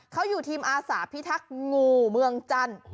เขาอยู่ทีมอาสาพิทักษ์งูเมืองจันทร์